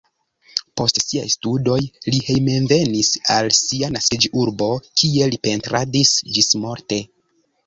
Post siaj studoj li hejmenvenis al sia naskiĝurbo, kie li pentradis ĝismorte.